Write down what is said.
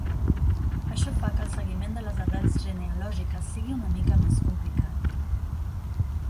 Això fa que el seguiment de les arrels genealògiques sigui una mica més complicat.